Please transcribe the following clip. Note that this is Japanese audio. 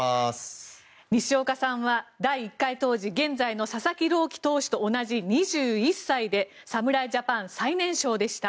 西岡さんは第１回当時現在の佐々木朗希投手と同じ２１歳で侍ジャパン最年少でした。